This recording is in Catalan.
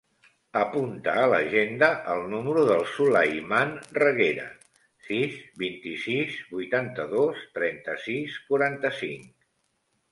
Apunta a l'agenda el número del Sulaiman Reguera: sis, vint-i-sis, vuitanta-dos, trenta-sis, quaranta-cinc.